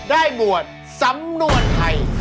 ได้หมวดสำนวนใคร